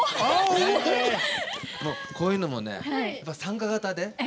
こういうのもね、参加型で。